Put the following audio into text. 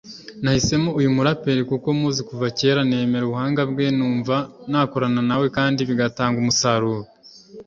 nahisemo uyu muraperi kuko muzi kuva kera nemera ubuhanga bwe numva nakorana nawe kandi bigatanga umusaruro